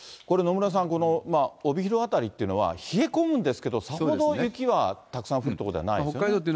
これ、野村さん、帯広辺りっていうのは、冷え込むんですけど、さほど雪はたくさん降る所じゃないですよね。